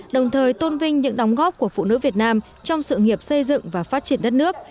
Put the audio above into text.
đồng thời tôn vinh những đóng góp của phụ nữ việt nam trong sự nghiệp xây dựng và phát triển đất nước